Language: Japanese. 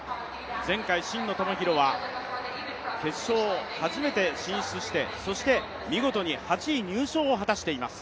前回、真野友博は決勝に初めて進出してそして見事に８位入賞を果たしています。